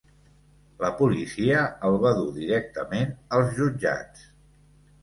La policia el va dur directament als jutjats.